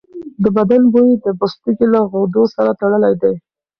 د بدن بوی د پوستکي له غدو سره تړلی دی.